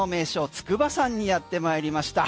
筑波山にやってまいりました。